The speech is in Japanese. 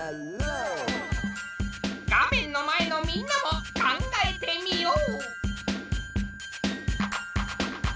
画面の前のみんなも考えてみよう！